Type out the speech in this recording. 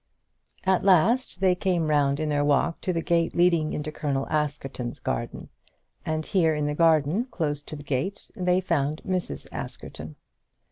At last they came round in their walk to the gate leading into Colonel Askerton's garden; and here in the garden, close to the gate, they found Mrs. Askerton.